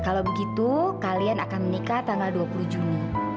kalau begitu kalian akan menikah tanggal dua puluh juni